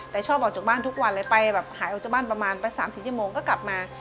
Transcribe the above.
แต่ชอบออกจากบ้านทุกวันเลยไปแบบหายออกจากบ้านประมาณไป๓๔ชั่วโมงก็กลับมา